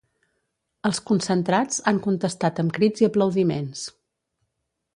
Els concentrats han contestat amb crits i aplaudiments.